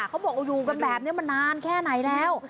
เขาบอกอยู่กันแบบนี้มานานแค่ไหนแล้ว